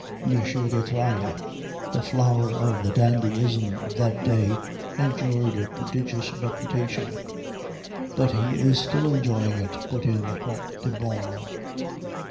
M. de Trailles, the flower of the dandyism of that day, enjoyed a prodigious reputation." "But he is still enjoying it," put in the Comte de Born.